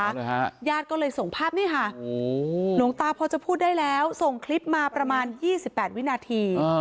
บริญญาณก็เลยส่งภาพนี้ค่ะหลวงตาพอจะพูดได้แล้วส่งคลิปมาประมาณ๒๘วินาที